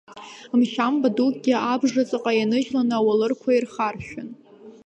Мшьамба дукгьы, абжа ҵаҟа ианыжьланы, ауалырқәа ирхаршәын.